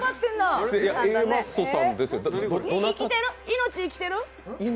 命、生きてる？